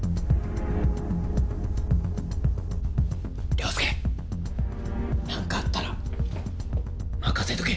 凌介何かあったら任せとけ。